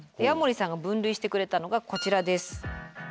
矢守さんが分類してくれたのがこちらです。